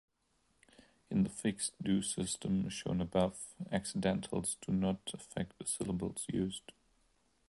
In the fixed do system, shown above, accidentals do not affect the syllables used.